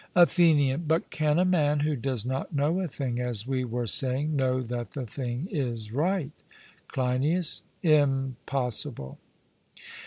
ATHENIAN: But can a man who does not know a thing, as we were saying, know that the thing is right? CLEINIAS: Impossible.